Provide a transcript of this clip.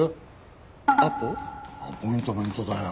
アポイントメントだよ。